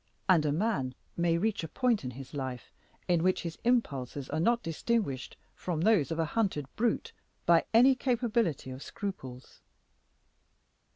And a man may reach a point in his life in which his impulses are not distinguished from those of a hunted brute by any capability of scruples.